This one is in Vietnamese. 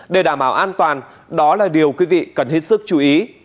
để đảm bảo an toàn đó là điều quý vị cần hết sức chú ý